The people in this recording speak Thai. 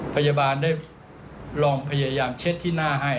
พยาบาลได้ลองพยายามเช็ดที่หน้าให้